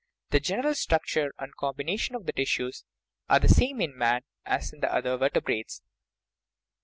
The gen* eral structure and combination of the tissues are the same in man as in the other vertebrates.